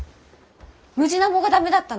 ムジナモが駄目だったの？